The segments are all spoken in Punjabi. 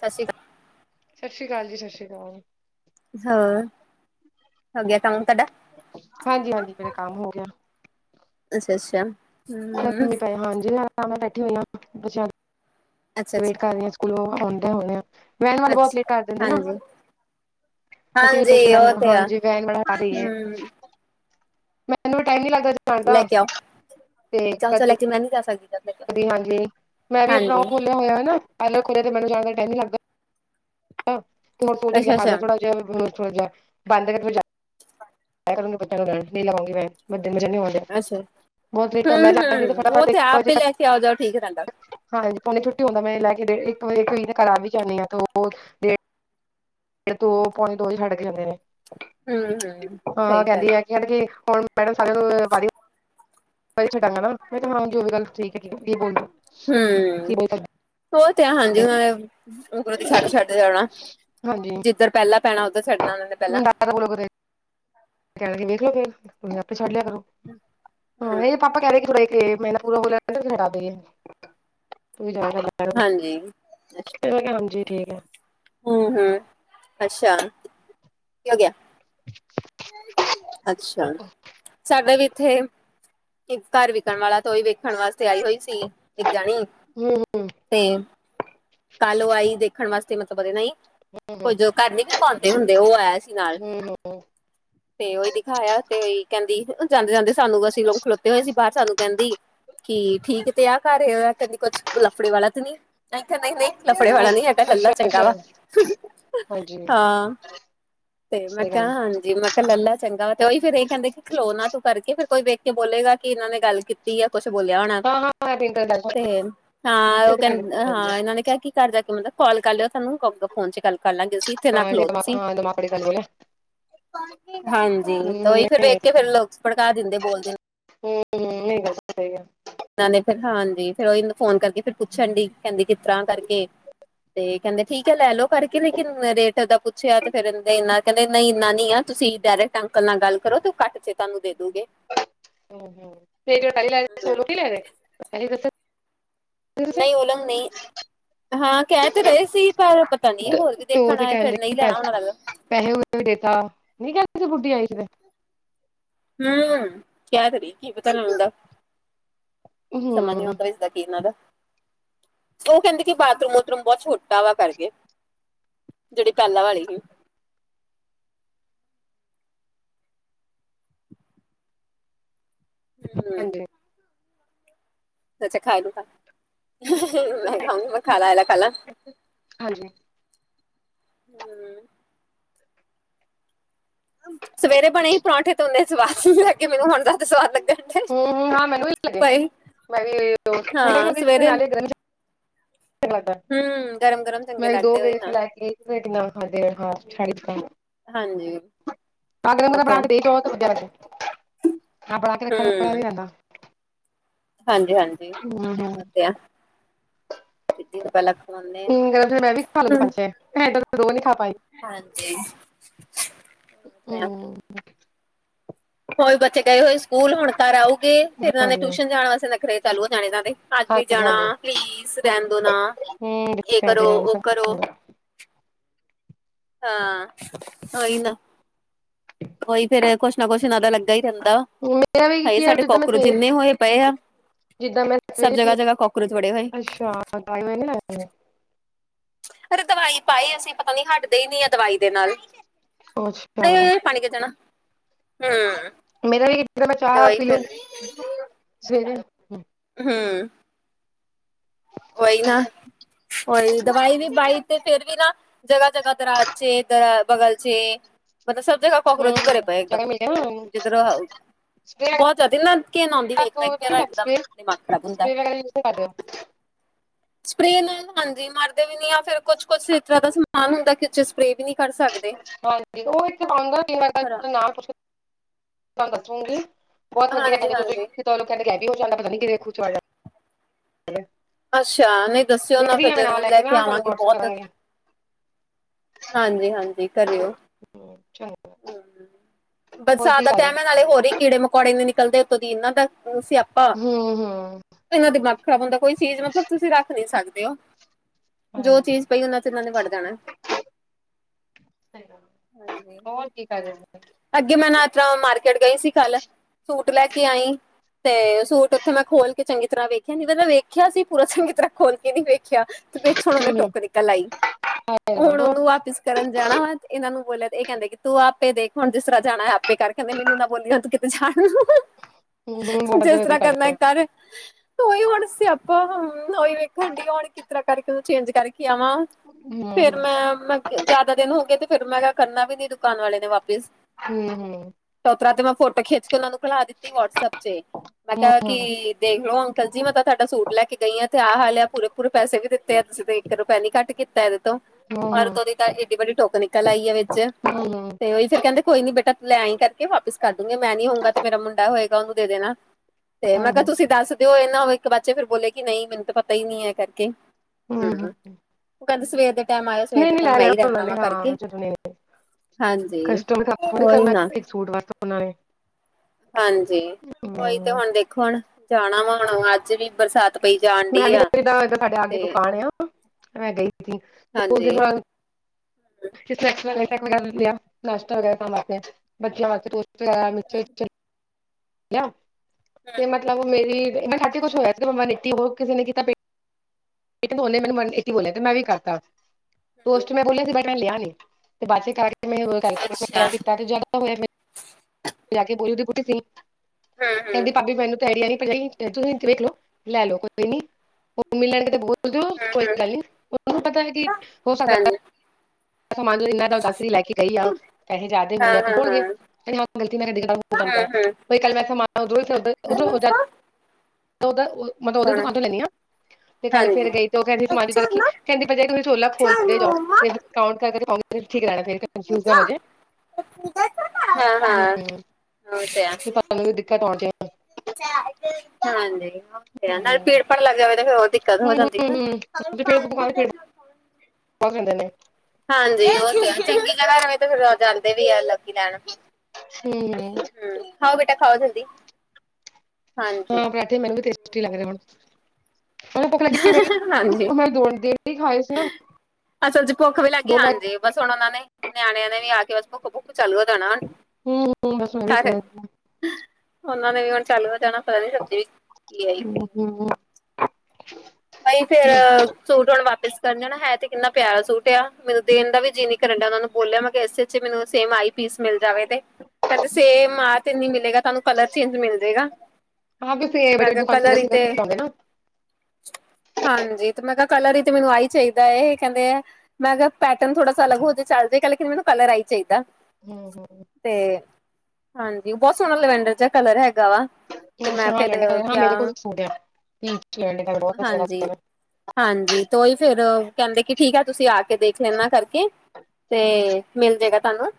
ਸਾ ਸ਼੍ਰੀ ਕਾ ਸ ਸ਼੍ਰੀ ਕਾਲ ਜੀ, ਸ ਸ਼੍ਰੀ ਕਾਲ। ਹਾ ਹੋ ਗਿਆ ਕਾਮ ਤੁਹਾਡਾ। ਹਾਂਜੀ-ਹਾਂਜੀ ਮੇਰਾ ਕਾੰਮ ਹੋ ਗਿਆ। ਅੱਛਾ-ਅੱਛਾ। ਹਾਂਜੀ ਮੈਂ ਆਰਾਮ ਨਾਲ ਬੈਠੀ ਹੋਈ ਆ ਬੱਚਿਆਂ। ਅੱਛਾ ਵੇਟ ਅੱਛਾ ਕਾਰ ਰਹੀ ਆ ਸਕੂਲ ਆਉਂਦੇ ਹੋਣੇ ਆ ਵੈਣ ਵਾਲੇ ਬੋਤ ਅੱਛਾ ਲੇਟ ਕਰ ਦਿੰਦੇ ਨਾ। ਹਾਂਜੀ ਅਸੀਂ ਵੀ ਹਾਂਜੀ ਸੋਚਦੇ ਵੈਣ ਉਹ ਨੂੰ ਤੇ ਆ ਹਾਂਜੀ ਵੈਣ ਨੂੰ ਹਟਾ ਦੀ ਏ ਹਮ ਮੈਨੂੰ ਵੀ ਟਾਈਮ ਨੀ ਲੱਗਦਾ। ਜਾਣ ਦਾ ਲੈ ਕੇ ਆਓ। ਤੇ ਜਾਓ ਆਜ ਚੋ ਲੈ ਕੇ ਮੈਂ ਨੀ ਜਾ ਸਕਦੀ ਲੈ ਕੇ ਹਾਂਜੀ-ਹਾਂਜੀ ਮੈਂ ਵੀ ਆਪਣਾ ਅੋ ਹਾਂਜੀ ਖੋਲੇਆ ਹੋਇਆ ਹੈ ਨਾ। ਪਾਲਰ ਖੋਲੇ ਤੇ ਮੈਨੂੰ ਜਾਣ ਦਾ ਟੈਮ ਨੀ ਲੱਗਦਾ। ਅੱਛਾ ਅੱਛਾ [unintelligible] [inaudible] [unintelligible] [unintelligible] ਅੱਛਾ ਹਮ ਹਮ ਉਹ ਤੇ ਆਪ ਹੀ ਲੈ ਕੇ ਆਓ ਜਾਓ ਠੀਕ ਰਹਿੰਦਾ ਹਾਂਜੀ ਪੌਣੀ ਛੁੱਟੀ ਹੁੰਦਾ। ਮੈਂ ਲੈ ਡੇ ਕੇ ਇੱਕ ਵੀ ਘਾਰ ਆ ਵੀ ਜਾਦੀ ਹਾਂ ਤੇ ਉ ਡੇ। [unintelligible] ਦੋ ਪੌਣੇ ਦੋ ਵਜੇ ਛਾੱਡ ਕੇ ਜਾਂਦੇ ਨੇ। ਹਮ-ਹਮ ਸਈ ਗਾੱਲ ਹੈ। ਜਦ ਕਿ ਹੁਣ ਮੈਡਮ ਸਾਰੇਆ ਨੂੰ ਵਾਰੀ। ਵ, ਛਡਾਂਗਾ ਨਾ ਮੈਂ ਕਿਹਾ ਹਾਂ ਜੋ ਵੀ ਗਾੱਲ ਠੀਕ ਹੈਗੀ ਲੀ ਬੋਲਦੀ। [unintelligible] ਹਮ ਅੋ ਤੇ ਆ ਹਾਂਜੀ ਉਹਨਾਂ ਨੇ ਛਾੱਡ-ਛਾੱਡ ਜਾਣਾ। ਜਿੱਧਰ ਪੈਲਾ ਪੈਣਾ ਉੱਧਰ ਛੱਡਣਾ ਏਨਾ ਨੇ ਪੈਲ। [unintelligible] ਦਦਾ ਦਾ ਬੋਲ ਕੇ ਵੇਖ ਲੋ ਫੇਰ ਤੁਸੀਂ ਆਪੇ ਛਾੱਡ ਲੇਆ ਕਰੋ। ਹਮ। ਹਮ ਏਹ ਦੇ ਪਾਪਾ ਕੈ ਰਹੇ ਕੇ ਮਹੀਨਾ ਪੂਰਾ ਹੋ ਜਾਏਗਾ ਫਿਰ ਹਟਾ ਦੇਗੇ। ਹਾਂਜੀ। ਫੇਰ ਮੈ ਕਿਆ ਹਾਂਜੀ ਠੀਕ ਐ। ਹਮ-ਹਮ ਅੱਛਾ ਕਿ ਹੋ ਗੇਆ। ਅੱਛਾ ਸਾਡੇ ਵੀ ਇੱਥੇ। ਇਕ ਘਾਰ ਵਿਕਣ ਵਾਲਾ ਤਾਂ ਅੋਹੀ ਵੇਖਣ ਵਾਸਤੇ ਆਈ ਹੋਈ ਸੀ ਇੱਕ ਜਾਣੀ ਹੂੰ ਤੇ। ਕਾੱਲ੍ਹ ਉ ਆਈ ਦੇਖਣ ਵਾਸਤੇ ਮਤਲਬ ਅੋਦੇ ਨਈ ਕੋ ਹੂੰ ਜੋ ਘਾਰ ਨੀ ਵਿਕਵਾ ਉਂਦੇ ਹੁੰਦੇ ਉ ਆਇਆ ਸੀ। ਨਾਲ ਹੂੰ ਹੂੰ ਤੇ ਉਈ ਦਿਖਾਇਆ ਤੇ ਉਈ। ਕੈਂਦੀ ਜਾਂਦੇ-ਜਾਂਦੇ ਸਾਨੂੰ ਅਸੀਂ ਲੋਕ ਖਲੋਤੇ ਹੋਏ ਸੀ ਬਾਹਰ ਸਾਨੂੰ ਕੈਂਦੀ। ਕੀ ਠੀਕ ਤੇ ਆ ਘਾਰ ਏਦਾ ਕਹਿੰਦੀ ਕੁੱਛ ਲੱਫੜੇ ਵਾਲਾ ਤਾ ਨੀ। ਨਈ-ਨਈ ਲਫੜੇ ਵਾਲਾ ਨਈ ਹੈਗਾ ਅੱਛਾ ਲੱਲਾ ਚੰਗਾ ਅੱਛਾ ਵਾ ਹਾਂਜੀ ਹਾਂ। ਤੇ ਮੈ ਸਹੀ ਗੱਲ ਕਿਆ ਹਾਂਜੀ ਮੈਂ। ਲੱਲਾ ਚੰਗਾ ਵਾ। ਤੇ ਉਹੀ ਫੇਰ ਏਹ ਕਹਿੰਦੇ ਕਿ ਖਲੋਣਾ ਤੂੰ ਕਰਕੇ ਫੇਰ ਕੋਈ ਵੇਖ ਕੇ ਬੋਲੇਗਾ ਕਿ ਏਨਾਂ ਨੇ ਗੱਲ ਕੀ। ਏਅੋ ਕੁੋਛ ਬੋਲੇਆ ਹੋਣਾ ਹਾਂ ਹਾਂ ਮੈਂ ਪਿੰਕ ਤੇ ਹਾਂ ਉਹ ਕੰਨ ਹਾਂਜੀ ਹਾਂ। ਮੈ ਕਿਆ ਕਿ ਘਾਰ ਜਾ ਕੇ ਮਤਲਬ ਕਾਲ ਕਾਰ ਲਿਓ ਤੁਹਾਨੂੰ ਫੋਨ ਚ' ਗਾੱਲ ਕਾਰ ਲਾਂਗੇ ਅਸੀਂ। ਇੱਥੇ ਨਾ ਖਲੋ ਤੁਸੀਂ [unintelligible] ਹਾਂਜੀ ਤੇ ਉਹੀ ਫੇਰ ਵੇਖ ਕੇ ਫੇਰ ਲੋਕ ਭੜਕਾ ਦਿੰਦੇ ਬੋਲਦੇ। ਹਮ-ਹਮ। ਕੈਨਦੇ ਫੇਰ ਹਾਂਜੀ ਫੇਰ ਓਹੀ ਫੋਨ ਕਰਕੇ ਫੇਰ ਪੁੱਛਣ ਡੀ ਕੈਂਦੀ ਕਿਸ ਤਰ੍ਹਾਂ ਕਰਕੇ। ਤੇ ਕੈਂਦੇ ਠੀਕ ਐ ਲੈ ਲਓ ਕਰਕੇ ਲੇਕਿਨ ਰੇਟਦਾ ਪੁੱਛਿਆ ਤੇ ਫੇਰ ਦੇਣ। ਕੈਦੇ ਨਈ ਨਾਨੀ ਆ ਤੁਸੀਂ ਡੈਰੈਕਟ ਅੰਕਲ ਨਾਲ ਗਾੱਲ ਕਰੋ ਤੇ ਘਾਟ ਕੇ ਤੁਆਨੂੰ ਦੇ ਦੋਗੇ। [unintelligible] ਤੇ ਜੇੜੇ ਪੈਰੇ ਲਾੲ ਹਮ ਸੀ, ਅੋ ਲੋਕੀ ਲੈਗੇ ਦਸੋ? ਨਈ- [inaudible] ਨਈ ਹਾਂ, ਕੈ ਤੇ ਰਏ ਸੀ, ਪਰ ਪਤਾ ਨੀ। ਤੇ ਹੋਰ ਵੀ ਤੇ ਉਹ ਦੇਖਣ ਤੇ ਆਏ, ਫੇਰ ਕਹਿੰਦੇ ਨਈ ਕਿ ਪੈ ਲੈਣਾ ਹੋਣਾ ਲੱਗਦਾ। [unintelligible] ਹੂੰ। ਕੈ ਤੇ ਰੀ ਕਿ ਪਤਾ ਹੁਨਦਾ। ਹੂੰ ਸਮਝ ਨੀ ਆਓਂਦਾ ਇਸਦਾ ਕੀ ਨਾਂ ਦਾ। ਓ ਕੈਂਦੇ ਕਿ ਬਾਥਰੂਮ-ਬੂਥਰੂਮ ਬੋਤ ਛੋਟਾ ਵਾ ਕਰਕੇ। ਜੇੜੀ ਪੈਲਾਂ ਵਾਲੀ ਹੀ। ਹੂੰ ਹਾਂਜੀ। ਅੱਛਾ ਖਾਲੂਗਾ, ਮੈਂ ਖਾਊਂ ਖਾਲਾ ਐਲਾ ਖਾਲਾ। ਹਾਂਜੀ। ਹੂੰ ਸਵੇਰੇ ਬਣੇ ਹੀ ਪਰੋਂਠੇ ਤੇ ਓਨੇ ਸਵਾਦ ਨੀ ਲੱਗੇ, ਮੈਨੂੰ ਹੁਨ ਜਾਦਾ ਸਵਾਦ ਲੱਗ ਹੂੰ-ਹੂੰ ਹਾਂ ਮੈਨੂੰ ਵੀ ਨੀ ਲੱਗੇ, ਬੜੀ ਲੇਟ ਹੋ, ਠੰਡੇ ਵੀ ਹਾਂ ਹੋਗੇ ਸੀ ਤੇ ਸਵੇਰੇ ਨਾਲੇ ਗਰਮ ਹੂੰ ਗਰਮ ਗਰਮ ਚੰਗੇ ਲੱਗਦੇ ਉਹੀ ਨਾ [unintelligible] ਹਾਂਜੀ। [unintelligible] ਆ ਉਹ ਤੇ ਹੈ ਬਣਾ ਕੇ ਰੱਖਣ ਵਾਲਾ ਨੀ ਰੈਂਦਾ। ਹਾਂਜੀ-ਹਾਂਜੀ, ਹੂੰ-ਹੂੰ ਹੂੰ ਵਦੀਆ। ਆ [unintelligible] ਨੀ ਖਾ ਪਾਈ। ਹਾਂਜੀ। ਊਂ ਹੋਰ ਬੱਚੇ ਗਏ ਹੋਏ ਸਕੂਲ ਹੁਣ ਘਰ ਆਊਗੇ, ਫੇਰ ਏਨਾਂ ਨੇ ਹਾਂਜੀ ਟਿਊਸ਼ਨ ਜਾਣ ਵਾਸਤੇ ਨੱਖਰੇ ਚਾਲੂ ਹੋ ਜਾਣੇ ਏਨਾਂ ਦੇ। ਅਜ ਨੀ ਜਾਣਾ, ਹਾਂਜੀ-ਹਾਂਜੀ ਪਲੀਜ਼ ਰੈਣ ਦੋ ਨਾ। ਹੂੰ ਯੇ ਬੱਚਿਆਂ ਦੇ ਕਰੋ ਆ ਵੋ ਸਭ ਕਰੋ। ਚੰਗਾ ਹਾਂ, ਓਈ ਨਾ। ਓਈ ਫੇਰ ਕੁਛ ਨਾ ਕੁਛ ਏਨਾਂ ਦਾ ਲੱਗਾ ਈ ਰੈਂਦਾ ਵਾ, ਮੇਰਾ ਵੀ ਹਾਏ ਕੀ ਸਾਡੇ ਜਿੱਦਾਂ ਮੈਂ ਕੋਕਰੋਚ ਸਵੇਰ ਇੰਨੇ ਹੋਏ ਪਏ ਆ ਜਿੱਦਾਂ ਮੈਂ ਸਭ ਜਗ੍ਹਾ-ਜਗ੍ਹਾ ਕੋਕਰੋਚ ਵੜੇ ਹੋਏ। ਦਵਾਈ [unintelligible] ਅਰੇ ਦਵਾਈ ਪਾਈ ਅਸੀ, ਪਤਾ ਨੀ ਹਟਦੇ ਈ ਨੀ ਐ ਦਵਾਈ ਦੇ ਨਾਲ। ਓ ਫੋ। ਏ ਪਾਣੀ ਗਿਰ ਜਾਣਾ, ਹੂੰ। ਮੇਰਾ ਵੀ [unintelligible] ਮੈ ਚਾ ਤੇ ਉਹੀ ਪੀਲੂ ਫਿਰ ਸਵੇਰੇ। ਹੂੰ ਹੂੰ। ਓਈ ਨਾ, ਓਈ ਦਵਾਈ ਵੀ ਪਾਈ ਤੇ ਫੇਰ ਵੀ ਨਾ, ਜਗ੍ਹਾ-ਜਗ੍ਹਾ ਦਰਾਜ ਚੇ ਦ ਬਗਲ ਚੇ ਮਤਲਬ ਸਭ ਜਗਾ ਕੋਕਰੋਚ ਈ ਭਰੇ ਪਏ ਏਕ ਦਮ, ਜਗ੍ਹਾ ਮਿਲ ਗਿਆ ਨਾ ਜਿਦਰੋਂ ਸਪਰੇ ਬੋਤ ਜਾਦੇ ਨਾ, ਘਿਨ ਆਂਦੀ ਵੇਖ-ਵੇਖ ਕੇ ਨਾ ਵਗੈਰਾ ਏਕਦਮ ਦਿਮਾਗ ਖਰਾਬ ਹੁੰਦਾ ਏ। ਕੀ ਕਰ ਰਏ ਓ? ਸਪਰੇ ਨਾਲ ਨਾ ਹਾਂਜੀ ਮਰਦੇ ਵੀ ਨੀ ਆ, ਫੇਰ ਕੁਛ-ਕੁਛ ਇਸ ਤਰ੍ਹਾਂ ਦਾ ਸਮਾਨ ਹੁੰਦਾ ਏ ਕਿ ਏਚ ਸਪਰੇ ਵੀ ਨੀ ਕਰ ਸਕਦੇ। ਹਾਂਜੀ, ਓ ਏਥੇ ਆਂਦਾ ਰੇਂਦਾ ਹੈਗਾ ਖਰਾ ਮੈਂ ਨਾਂ ਪੁਛ ਕੇ ਤਾਨੂੰ ਦੱਸੂਂਗੀ। ਬੋਤ ਵਦੀਆ [unintelligible] ਹਾਂਜੀ ਹਾਂਜੀ ਅੱਛਾ ਨਹੀਂ ਦੱਸਿਓ ਵੇਖਦੀ ਫਿਰ ਆਂ ਮੈਂ ਨਾ ਜ਼ਰੂਰ ਲੈ ਕੇ ਨਾ ਤਾਨੂੰ ਆਵਾਂਗੇ ਵਟਸਅਪ ਕਰਾਂਗੀ। ਹਾਂਜੀ-ਹਾਂਜੀ ਕਰੇਓ। ਚੰਗਾ ਹਾਂ ਹੋਰ ਬਰਸਾਤ ਕੀ ਦਾ ਕਰ ਰਹੇ ਟੈਮ ਐ ਨਾਲੇ ਹੋਰ ਈ ਕੀੜੇ ਮਕੌੜੇ ਨੀ ਨਿਕਲਦੇ। ਕਦੀ ਏਨਾਂ ਦਾ ਸਿਆਪਾ, ਹੂੰ-ਹੂੰ ਇਨਾਂ ਦਿਮਾਗ ਖ਼ਰਾਬ ਹੁੰਦਾ, ਕੋਈ ਚੀਜ ਮਤਲਬ ਤੂਸੀ ਰਖ ਨੀ ਸਕਦੇ ਓ, ਜੋ ਹਾਂਜੀ ਚੀਜ ਪਈ ਉਨਾਂ ਚ ਇਨਾਂ ਨੇ ਵੜ ਜਾਨੈ। ਹਾਂਜੀ। ਹੋਰ ਕੀ ਕਰਰੇ ਓ ਮਤਲਬ ਕਿ? ਅੱਗੇ ਮੈਂ ਨਾ ਤਰ ਮਾਰਕੀਟ ਗਈ ਸੀ ਕਲ, ਸੂਟ ਲੈ ਕੇ ਆਈਂ। ਤੇ ਸੂਟ ਓਥੇ ਮੈਂ ਖੋਲ ਕੇ ਚੰਗੀ ਤਰਾਂ ਵੇਖੇਆ ਨੀ, ਵਰ ਮੈਂ ਵੇਖੇਆ ਸੀ ਪੂਰਾ ਚੰਗੀ ਤਰਾਂ ਖੋਲ ਕੇ ਨੀ ਵੇਖੈਆ ਵਿੱਚ ਹੁਨ ਉਦੇ ਹੂੰ ਟੋਕ ਨਿਕਲ ਆਈ, ਹੂੰ ਹੂੰ ਹੁਣ ਓਨ ਬਹੁਤ ਵਾਪਿਸ ਕਰਨ ਜਾਣਾ ਵਾਂ ਤੇ ਏਨਾਂ ਨੂੰ ਬੋਲੇਆ, ਏ ਕੈਂਦੇ ਕਿ ਤੂੰ ਆਪੇ ਦੇਖ ਹੁਨ ਜਿਸ ਤਰਾਂ ਜਾਣੈ ਆਪੇ ਕਾਰ ਕੈਂਦੇ ਮੈਨੂੰ ਨਾ ਬੋਲੀ ਹੂਨ ਤੂੰ ਕਿਤੇ ਜਾਨ ਨੂੰ, ਮਜ਼ੇ ਜਿਸ ਮਜ਼ੇ ਤਰਾਂ ਕਰਨਾ ਕਰਦੇ ਐ ਆ ਕਾਰ। ਉਈ ਹੁਣ ਸਿਆਪਾ ਹੂੰ, ਓਈ ਵੇਖਣਡੀ ਹੋਣ ਕਿਸ ਤਰਾਂ ਕਾਰਕੇ ਓਨੂੰ ਚੇਂਜ ਕਾਰਕੇ ਆਵਾਂ। ਹੂੰ ਫੇਰ ਮੈਂ, ਮੈਂ ਜਾਦਾ ਦਿਨ ਹੋ ਗਏ ਤੇ ਫੇਰ ਮੈਂ ਕਾ ਕਰਨਾ ਵੀ ਨੀ ਦੁਕਾਨ ਵਾਲੇ ਨੇ ਵਾਪਿਸ। ਹੂੰ-ਹੂੰ। ਤੋਤਰਾ ਤੇ ਮੈਂ ਫੋਟੋ ਖਿੱਚ ਕੇ ਓਨਾਂ ਨੂੰ ਖਿਲਾ ਦਿੱਤੀ ਵਾਟਸਐਪ ਚੇ, ਮੈਂ ਹੂੰ ਕੇਆ ਕਿ ਦੇਖ ਲੋ ਅੰਕਲ ਜੀ, ਮੈਂ ਤਾਂ ਤਾਡਾ ਸੂਟ ਲੈ ਕੇ ਗਈ ਆਂ ਤੇ ਆ ਹਾਲ ਆ ਪੂਰੇ-ਪੂਰੇ ਪੈਸੇ ਵੀ ਦਿੱਤੇ ਆ ਤੁਸੀਂ ਤੇ ਇਕ ਰੁਪਇਆ ਨੀ ਘੱਟ ਕੀਤਾ ਇਦੇ ਤੋਂ, ਹੂੰ ਔਰ ਹੂੰ ਉਦੀ ਤਾਂ ਏਡੀ ਵੱਡੀ ਟੁਕ ਨਿਕਲ ਆਈ ਐ ਵਿੱਚ ਹੂੰ ਤੇ ਓਈ ਫੇਰ ਕੈਂਦੇ ਕੋਈ ਨੀ ਬੇਟਾ ਤੂੰ ਲੈਂ ਆਂਈ ਕਰਕੇ ਵਾਪਿਸ ਕਰ ਦੂੰਗੇ, ਮੈਂ ਨੀ ਹੋਊਂਗਾ ਤੇ ਮੇਰਾ ਮੁੰਡਾ ਹੋਏਗਾ ਓਨੂੰ ਦੇ ਦੇਨਾ। ਤੇ ਮੈਂ ਹੂੰ ਕਾ ਹੂੰ ਤੂਸੀ ਦਾੱਸ ਦੇਓ, ਏਨਾ ਹੋਵੇ ਇੱਕ ਬਾਚੇ ਫਿਰ ਬੋਲੇ ਕਿ ਨਈ ਮੈਨੂੰ ਤਾ ਪਤਾ ਈ ਨੀ ਐ ਕਾਰਕੇ। ਹੂੰ, ਉ ਕੈਂਦੇ ਸਵੇਰ ਦੇ ਟੈਮ ਆਇਆ ਨਈ-ਨਈ ਲੈ ਲੈਣਾ ਉਨਾਂ ਨੇ ਹਾਂ ਜਦ, ਹਾਂਜੀ ਕਸਟਮ ਥੋੜ੍ਹੇ ਕਮ ਉਹੀ ਨਾ ਕਰਨਾ ਸੂਟ ਵਾਸਤੇ ਉਨਾਂ ਨੇ ਹਾਂਜੀ, ਉਈ ਤੇ ਹੂੰ ਹੁਣ ਦੇਖੋ ਹੁਣ ਜਾਣਾ ਵਾ ਹੁਣ ਅੱਜ ਵੀ ਬਰਸਾਤ ਪਈ ਜਾਣ ਮੈਂ ਡਈ ਵੀ ਆ ਸਾਡੇ ਆਗੇ ਤੇ ਦੁਕਾਨ ਆ ਮੈਂ ਗਈ ਸੀ ਉਸ ਹਾਂਜੀ ਬਾਅ ੈੈਸ਼ਤਾ ਵਗੈਰਾੈਰਾ ਮਿਰ [unintelligible] ਤੇ ਮਤਲਬ ਮੇਰੀ ਮ [unintelligible] ਹਾੇ ਕੁਛ ਹੋਇਆ ਸੀ ਬਾ ਨਿੱਤੀ ਹੋ ਕਿਸੇ ਨੇ ਕੀਤਾ ਪ ਇਕ ੳਨੇ ਮੈਨੂੰ ਏਟੀ ਬੋਲੇਆ ਤੇ ਮੈਂ ਵੀ ਕਰਤਾ ਤੇ ਉਸ ਚ ਮੈਂ ਬੋਲਿਆ ਸੀ ਬਟ ਮੈਂ ਲਿਆ ਨੀ, ਤੇ ਬਾਦ ਚ ਕਰਕੇ ਅੱਛਾ [unintelligible] [unintelligible] ਹੂੰ ਹੂੰ ਕੈਂਦੀ ਭਾਬੀ ਮੈਨੂੰ ਤੈਰੀ ਆ ਤੁਸੀਂ ਦੇਖ ਲੋ ਲੈ ਲੋ ਕੋਈ ਨੀ ਉ ਮਿਲਣਗੇ ਲਦੇ ਹੋ ਹੂੰ ਕੋਈ ਹੂੰ ਗੱਲ ਨੀ ਉਨੂ ਪਤਾ ਹੈ ਕਿ ਹੋ ਹਾਂਜੀ [unintelligible] ਦਸ ਦੀ ਲੈ ਕੇ ਗਈ ਆ ਪੈਸੇ ਜਾਦੇ ਹਾਂ ਮਿਲਗੇ ਹਾਂ ਹਾਂ ਹੋਣਗੇ ਗਲਤੀ ਨਾਲ ਹੋ ਹੂੰ ਜਾਂਦਾ ਹੂੰ ਬਈ ਕੱਲ ਮੈਂ ਜੋ ਸਮਾਨ ਉਧਰੋਂ ਉਧਰੋਂ ਮਤਲਬ ਉਦੀ ਸੋਹਣਾ ਦੁਕਾਨ ਤੋਂ ਲੈਂਦੀ ਆ ਤੇ ਕੱਲ ਫ਼ੇਰ ਹਾਂਜੀ ਗਈ ਤੇ ਉ ਕੈਂਦੀ ਸਮਾਨ ਤੇ ਰੱਖੀ ਕੈਂਦੀ ਪਰਜਾਈ ਤੁਸੀਂ ਛੋਲਾ ਖੋਲਦੇ ਜਾਓ ਤੇ ਕਾੳਂਟ ਕਰਕੇ ਦਿਖਾੳ ਠੀਕ ਰੈਨਾ ਚਾਈਦੈ, ਕੰਫਯੂਜ਼ ਨਾ ਹੋਜੇ। ਹੂੰ ੳ ਤੇ ਐ। ਤੇ ਸਾਨੂੰ ਵੀ ਦਿੱਕਤ ਆਉਂਦੀ ਐ ਹਾਂਜੀ। ਤੇ ਨਾਲੇ ਭੀੜ ਹੂੰ-ਹੂੰ-ਹੂੰ-ਹੂੰ ਭਾੜ ਲੱਗ ਜਾਵੇ ਤੇ ਫੇਰ ਹੋਹ ਦਿੱਕਤ ਹੋ ਜਾਂਦੀ ਐ ਨਾ ਕੋਨ ਕੈਂਦੇ ਨੇ ਹਾਂਜੀ ਉ ਚੰਗੀ ਜਗਾ ਹੋਵੇ ਤੇ ਜਾਂਦੇ ਵੀ ਆ ਲੋਕੀ ਲੈਣ ਹੂੰ। ਹੂੰ, ਖਾਓ ਬੇਟਾ ਖਾਓ ਜਲਦੀ ਹਾਂਜੀ ਹਾਂ ਪ੍ਰਾਾਠੇ ਮੈਨੂੰ ਵਿ ਕਿ੍ਸ਼ਪੀ ਲਗ ਰਏ ਹੁਨ ਉਹਨੂੰ ਪੱਤਲੇ ਹਾਂਜੀ ਲੱ ਮੈਂ ਦੌੜ ਦੇ ਖਾ ਸੀ ਨਾ [unintelligible] ਅੱਸਲ ਚ ਭੁੱਖ ਵੀ ਲੱਗੀ, ਦੋ ਲੱਖ ਹਾਂਜੀ ਬਸ ਹੁਣ ਉਨਾਂ ਨੇ ਨਿਆਣਿਆਂ ਨੇ ਵੀ ਆ ਕੇ ਬਸ ਭੁੱਖ ਭੁੱਖ ਚਾਲੂ ਦੇ ਨਾਲ ਹੂੰ-ਹੂੰ ਬਸ ਮੈਂ ਵੀ ਘਰ ਖਾ [unintelligible] ਉਨਾਂ ਨੇ ਵੀ ਹੁਣ ਚਾਲੂ ਵਿ ਜਾਣਾ ਪਤਾ ਸਬਜ਼ੀ ਵੀ ਕੀ ਆਏਗੀ ਹੂੰ। ਬਾਈ ਫੇਰ ਸੂਟ ਹੁਣ ਵਾਪਿਸ ਕਰ ਜਾਣਾ ਹੈ ਤੇ ਕਿੰਨਾ ਪਿਆਰਾ ਸੂਟ ਆ ਮੈਨੂੰ ਦੇਣ ਦਾ ਵੀ ਜੀਨੀ ਕਰਨਡੇਆ ੳਨਾ ਨੂੰ ਮੈ ਬੋਲੇਆ ਏਸੇ ਚ ਮੈਨੂੰ ਸੇਮ ਆਈ ਪੀਸ ਮਿਲ ਜਾਵੇ ਤੇ ਕੈਂਦੇ ਸੇਮ ਆ ਤੇ ਨੀ ਮਿਲੇਗਾ ਤੁਆਨੂੰ ਕਲਰ ਚੇਂਜ ਮਿਲ ਜੇਗਾ ਹਾਂ ਤੁਸੀਂ ਏ ਵਿ ਦੁਕਾਨ ਕੋ ਸਿੱਧ ਸਿੱਧਾ ਕੀ ਚਾਉਂਦੇ ਨਾ ਹਾਂਜੀ, ਤੇ ਮੈਂ ਕਿਹਾ ਕਲਰ ਹੀ ਤੇ ਮੈਨੂੰ ਆਹੀ ਚਾਹੀਦਾ ਇਹ ਕਹਿੰਦੇ ਆ ਮੈਂ ਕਿਹਾ ਪੈਟਰਨ ਥੋੜ੍ਹਾ ਸਾ ਅਲੱਗ ਹੋ ਜੇ ਚੱਲ ਜੇਗਾ, ਲੇਕੀਨ ਮੈਨੂੰ ਕਲਰ ਆਈ ਚਾਹੀਦਾ। ਹਮ, ਹਮ ਤੇ, ਹਾਂਜੀ ਬਹੁਤ ਸੋਹਣਾ ਲਵੈਂਡਰ ਜਾ ਕਲਰ ਹੈਗਾ ਵਾ। [unintelligible] ਤੇ ਮੈਂ ਫਿਰ ਹਾਂ ਕਿਆ ਮੇਰੇ ਕੋਲ ਇੱਕ ਸੂਟ ਆ, [unintelligible] ਹਾਂਜੀ। ਲੱਗਦਾ ਹਾਂਜੀ, ਤੇ ਉਹੀ ਫੇਰ ਕਹਿੰਦੇ ਕਿ ਠੀਕ ਆ ਤੁਸੀਂ ਆ ਕੇ ਦੇਖ ਲੈਨਾ ਕਰਕੇ। ਤੇ ਮਿਲ ਜੇਗਾ ਤੁਹਾਨੂੰ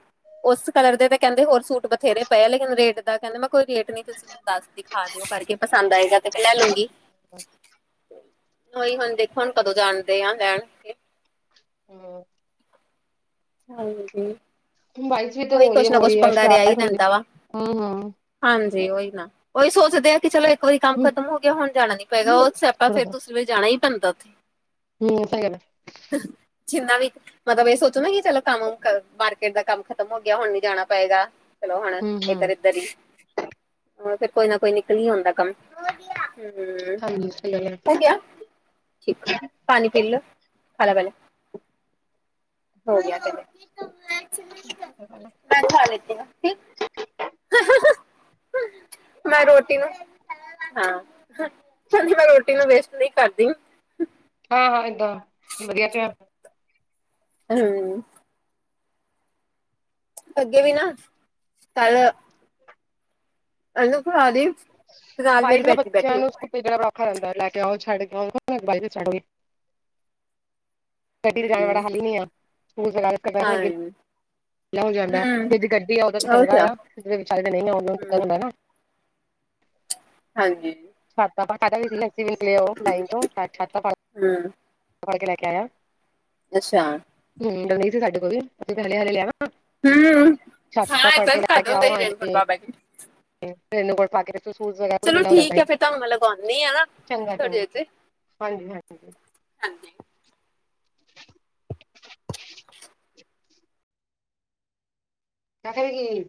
ਉਸ ਕਲਰ ਦੇ ਤਾਂ ਕਹਿੰਦੇ ਹੋਰ ਸੂਟ ਬਥੇਰੇ ਪਏ, ਲੇਕਿਨ ਰੇਟ ਦਾ ਕਹਿੰਦੇ ਮੈਂ ਕੋਈ ਰੇਟ ਨਹੀਂ ਦੱਸ ਦਿਖਾ ਦਿਓ ਕਰਕੇ ਪਸੰਦ ਆਏਗਾ ਤੇ, ਫੇਰ ਮੈਂ ਲੈ ਲੂੰਗੀ [unintelligible] ਉਹੀ ਹੁਣ ਦੇਖੋ ਹੁਣ ਕਦੋਂ ਜਾਣਦੇ ਆ ਲੈਣ ਹਮ। ਹਾਂਜੀ। ਬਾਰੀਸ ਵੀ ਤਾ ਉਹੀ ਹੋਲੀ, ਕੁਛ ਨਾ ਕੁਛ ਹੋਲੀ ਹੋਰੀ ਆ ਪੰਗਾ ਰਿਹਾ ਹੀ ਸਟਾਰਟ ਹੁੰਦੀ ਰਹਿੰਦਾ ਵਾ ਹਮ, ਹਮ ਹਾਂਜੀ ਉਹੀ ਨਾ ਉਹੀ ਸੋਚਦੇ ਆ ਕਿ ਚਲੋ ਇੱਕ ਵਾਰੀ ਕੰਮ ਹੂੰ ਖਤਮ ਹੋ ਗਿਆ ਹੁਣ ਜਾਣਾ ਨੀ ਪਏਗਾ, ਉਹ ਸੈਆਪਾਂ ਫੇਰ ਥੋੜਾ-ਥੋੜਾ ਤੋਂ ਜਿਵੇਂ ਜਾਣਾ ਹੀ ਪੈਂਦਾ ਉੱਥੇ ਹਮ ਸਹੀ ਗੱਲ ਆ। ਜਿੰਨਾ ਵੀ ਮਤਲਬ ਇਹ ਸੋਚੋ ਨਾ ਕਿ ਚਲੋ ਕੰਮ ਮਾਰਕੀਟ ਦਾ ਕੰਮ ਖਤਮ ਹੋ ਗਿਆ, ਹੁਣ ਨੀ ਜਾਣਾ ਪਏਗਾ, ਚਲੋ ਹੁਣ ਇੱਧਰ, ਹੂੰ-ਹੂੰ ਇੱਧਰ ਹੀ ਓਹ ਫੇਰ ਕੋਈ ਨਾ ਕੋਈ ਨਿਕਲ ਆਂਦਾ ਕੰਮ। ਹਮ, ਹਾਂਜੀ ਸਹੀ ਗੱਲ ਹੋ ਗਿਆ ਠੀਕ ਪਾਣੀ ਪੀ ਲੋ, ਖਾਲਾ ਪਿਹਲੇ। ਹੋ ਗਿਆ ਤੇ ਮੈਂ [unintelligible] [unintelligible] ਮੈਂ ਖਾ ਲਤੀ ਆ ਠੀਕ, [unintelligible] ਮੈਂ ਰੋਟੀ ਨੂੰ ਹਜੀ ਮੈਂ ਰੋਟੀ ਨੂੰ ਵੇਸਟ ਨਹੀਂ ਕਰਦੀ। ਹਾਂ, ਹਾਂ ਏਦਾਂ ਵਧੀਆ ਧਿ ਹਮ। ਅੱਗੇ ਵੀ ਨਾ ਕੱਲ ਇਹਨੂੰ ਖਵਾ ਰਹੀ, ਤੇ ਨਾਲ ਮੇਰੀ ਬੈਠੀ ਐ ਬਿਹੜਾ ਔਖਾ ਜਾਂਦਾ ਲੈ ਕੇ ਆਓ, ਛਡ ਕੇ ਆਓ [unintelligible] ਗੱਡੀ ਚ ਜਾਣ ਵਾਲਾ ਹੂੰ ਹਾਲ ਹੀ ਨੀ ਆ, [unintelligible] ਹਾਂਜੀ ਵੀਆਹ ਹੋ ਜਾਂਦਾ ਹੂੰ ਜੇਦੀ ਗੱਡੀ ਆ ਉਹਦਾ ਤਾਂ ਚੰਗਾ ਆ, ਜਿਨ੍ਹਾਂ ਵਿਚਾਰੇ ਨਹੀਂ ਉਹਨੂੰ ਦਿੱਕਤ ਹੂੰ ਹੁੰਦਾ ਨਾ। ਹਾਂਜੀ। ਛਾਤਾ ਪਾ ਵੀ ਸੀ ਅਸੀਂ ਨਿਕਲੇ ਉਹ ਲਾਈਨ ਤੋਂ ਛਾਤਾ ਹੂੰ ਫੜ ਕੇ ਲੈ ਕੇ ਆਇਆ। ਅੱਛਾ। ਹਮ, ਹੁੰਦਾ ਨਹੀਂ ਸੀ ਸਾਡੇ ਕੋਲ ਵੀ, ਅਸੀਂ ਪਹਿਲੇ ਹਰੇ ਲਿਆ ਨਾ। ਹੂੰ ਹਾਂ ਛਾਤਾ ਫਾੜ ਏਦਾਂ ਕੇ ਤਾਂ ਲੈ ਕੇ ਕਰਦੇ ਹੁੰਦੇ ਆਓ, ਸੀ ਰੇਨਕੋਟ ਹਾਂਜੀ। ਬਾਬਾ ਜੀ ਤੇਨੂੰ ਕੋਲ ਪਾ ਕੇ ਫੇਰ ਤੂੰ ਸੂਟ ਵਗੈਰਾ ਚਲੋ ਗੀਲਾ ਹੋ ਜਾਂਦਾ ਠੀਕ ਹੈ ਸੀ, ਫਿਰ ਤੁਹਾਨੂੰ ਮੈਂ ਲਗਾਉਂਦੀ ਆ ਨਾ ਚੰਗਾ- ਤੁਹਾਡੇ ਚੰਗਾ। ਤੇ ਹਾਂਜੀ, ਹਾਂਜੀ। ਹਾਂਜੀ। ਪੇਹੇ ਵੀ ਗਏ ਈ।